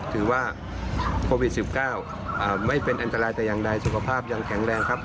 ถือว่าโควิด๑๙ไม่เป็นอันตรายแต่อย่างใดสุขภาพยังแข็งแรงครับ